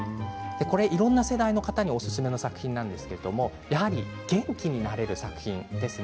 いろんな世代の方におすすめの作品なんですけれど元気になれる作品ですね。